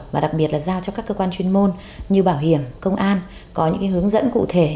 và đặc biệt là giao cho các cơ quan chuyên môn như bảo hiểm công an có những hướng dẫn cụ thể